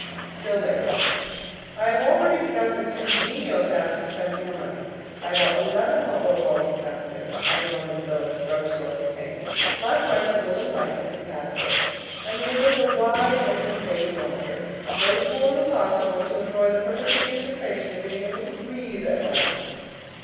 STILL LATER. I have already begun the congenial task of spending your money. I bought eleven hot water bottles this afternoon (every one that the village drug store contained) likewise some woolen blankets and padded quilts. And the windows are wide open in the babies' dormitory. Those poor little tots are going to enjoy the perfectly new sensation of being able to breathe at night.